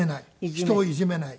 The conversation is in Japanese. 人をいじめない。